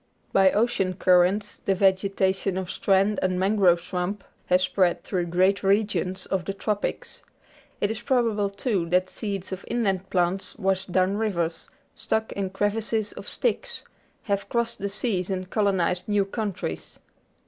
By ocean currents the vegetation of strand and mangrove swamp has spread through great regions of the Tropics. It is probable, too, that seeds of inland plants washed down rivers, stuck in crevices of sticks, have crossed the seas and colonised new countries.